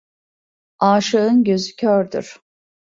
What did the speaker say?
Aşığın gözü kördür.